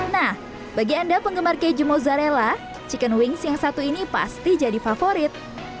nah bagi anda penggemar keju mozzarella chicken wings yang satu ini pasti jadi favorit